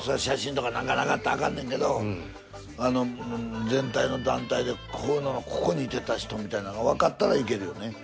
写真とかなんかなかったらあかんねんけど全体の団体でここのここにいてた人みたいなのがわかったらいけるよね。